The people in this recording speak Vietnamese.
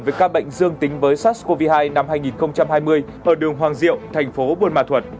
với ca bệnh dương tính với sars cov hai năm hai nghìn hai mươi ở đường hoàng diệu thành phố buôn ma thuật